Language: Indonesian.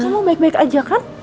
kamu baik baik aja kan